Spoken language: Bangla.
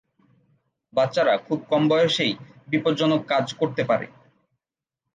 বাচ্চারা খুব কম বয়সেই বিপজ্জনক কাজ করতে পারে।